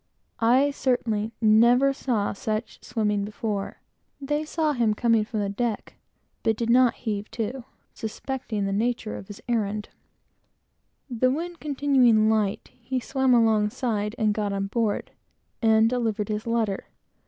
I certainly never saw such swimming before. They saw him coming from the deck, but did not heave to, suspecting the nature of his errand; yet, the wind continuing light, he swam alongside and got on board, and delivered his letter.